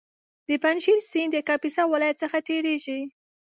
د پنجشېر سیند د کاپیسا ولایت څخه تېرېږي